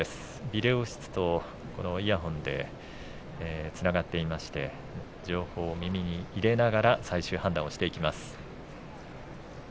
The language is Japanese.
ビデオ室とイヤホンでつながっていまして情報を耳に入れながら最終判断をしていきます。